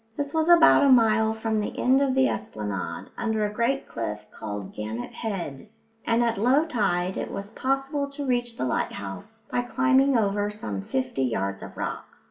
This was about a mile from the end of the esplanade, under a great cliff called Gannet Head, and at low tide it was possible to reach the lighthouse by climbing over some fifty yards of rocks.